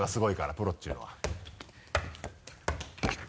プロっていうのは。